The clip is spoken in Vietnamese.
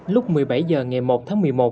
lúc một mươi bảy h ngày một tháng một mươi một